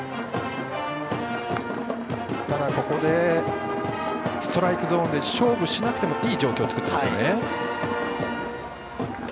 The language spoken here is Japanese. ただ、ここでストライクゾーンで勝負しなくてもいい状況を作っています。